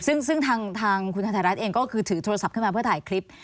ซึ่งทางคุณธไทยรัฐเองก็คือถือโทรศัพท์ขึ้นมาเพื่อถ่ายคลิป